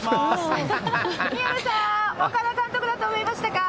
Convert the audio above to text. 宮根さん、岡田監督だと思いましたか。